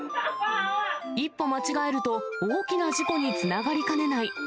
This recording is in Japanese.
一歩間違えると大きな事故につながりかねない